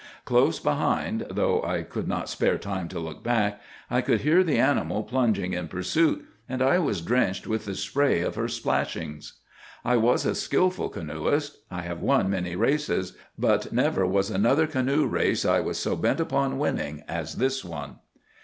Close behind, though I could not spare time to look back, I could hear the animal plunging in pursuit, and I was drenched with the spray of her splashings. I was a skilful canoeist; I have won many races; but never was another canoe race I was so bent upon winning as this one.